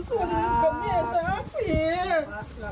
ไม่ได้ทำบุญคุณกับแม่จ๋า